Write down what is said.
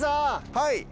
はい。